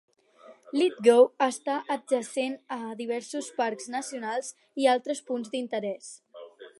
Lithgow està adjacent a diversos parcs nacionals i altres punts d'interés.